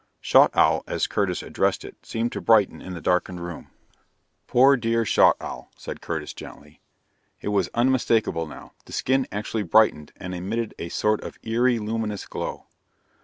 Schaughtowl, as Curtis addressed it, seemed to brighten in the darkened room. "Poor, dear Schaughtowl," said Curtis gently. It was unmistakable now the skin actually brightened and emitted a sort of eerie, luminous glow.